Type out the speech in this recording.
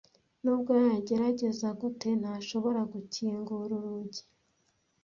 Nubwo yagerageza gute, ntashobora gukingura urugi.